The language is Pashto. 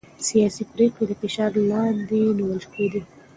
سياسي پرېکړې د فشار لاندې نيول کېدې.